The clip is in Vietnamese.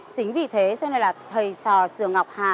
chính vì thế cho nên là thầy trò trường ngọc hà